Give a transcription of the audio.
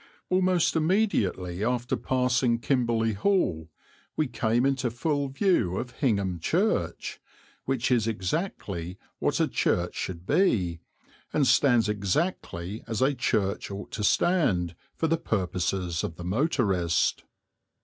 Almost immediately after passing Kimberley Hall we came into full view of Hingham Church, which is exactly what a church should be, and stands exactly as a church ought to stand, for the purposes of the motorist.